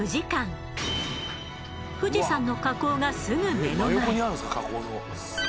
富士山の火口がすぐ目の前。